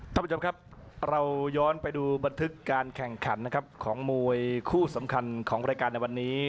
ท่านผู้ชมครับเราย้อนไปดูบันทึกการแข่งขันนะครับของมวยคู่สำคัญของรายการในวันนี้